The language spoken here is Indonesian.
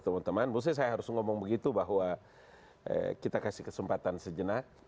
teman teman maksudnya saya harus ngomong begitu bahwa kita kasih kesempatan sejenak